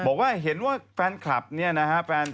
บอกว่าเห็นว่าแฟนคลับเนี่ยนะฮะ